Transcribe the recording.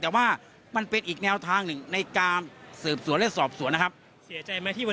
แต่ว่ามันเป็นอีกแนวทางหนึ่งในการเสืบสวนและสอบสวนนะฮะ